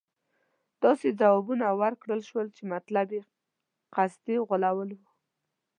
داسې ځوابونه ورکړل شول چې مطلب یې قصدي غولول وو.